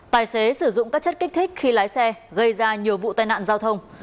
tài xế sử dụng các chất kích thích khi lái xe gây ra nhiều vụ tai nạn giao thông